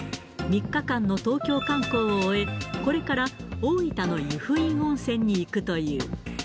３日間の東京観光を終え、これから大分の由布院温泉に行くという。